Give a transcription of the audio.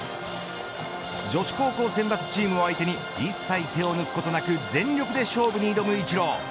女子高校選抜チームを相手に一切手を抜くことなく全力で勝負に挑むイチロー。